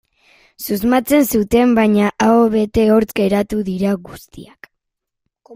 Susmatzen zuten, baina aho bete hortz geratu dira guztiak.